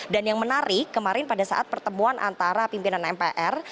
dan yang menarik kemarin pada saat pertemuan antara pimpinan mpr